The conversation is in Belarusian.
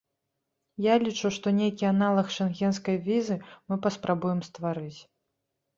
Я лічу, што нейкі аналаг шэнгенскай візы мы паспрабуем стварыць.